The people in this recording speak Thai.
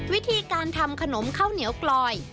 วิธีการทำขนมข้าวเหนียวกลอย